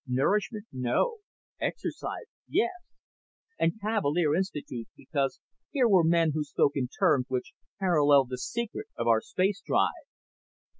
Nourishment, no. Exercise, yes. And Cavalier Institute because here were men who spoke in terms which paralleled the secret of our spacedrive."